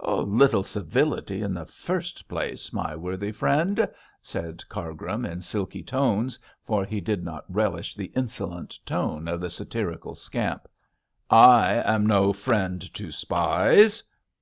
'A little civility in the first place, my worthy friend,' said Cargrim, in silky tones, for he did not relish the insolent tone of the satirical scamp. 'I am no friend to spies!'